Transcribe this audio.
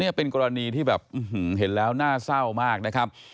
นี่เป็นกรณีที่แบบเห็นแล้วน่าเศร้ามากนะครับ